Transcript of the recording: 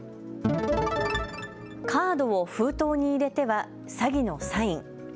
カードを封筒に入れては詐欺のサイン。